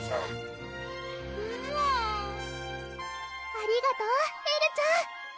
ありがとうエルちゃん